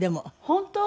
本当？